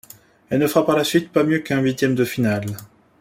Elle ne fera par la suite pas mieux qu'un huitième de finale.